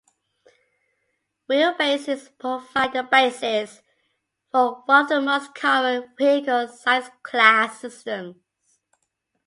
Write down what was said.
Wheelbases provide the basis for one of the most common vehicle size class systems.